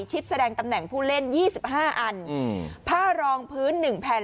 ชิบแสดงตำแหน่งผู้เล่นยี่สิบห้าอันอืมผ้ารองพื้นหนึ่งแผ่น